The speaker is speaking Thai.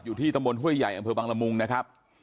อยู่ที่ตำบลห้วยใหญ่อำเภอบังละมุงนะครับ